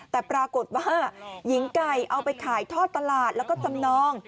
แต่ปรากฏว่าหญิงไก่เอาไปขายทอดตลาดแล้วก็จำนอง